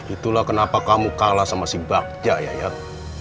itulah kenapa kamu kalah sama si bagja yat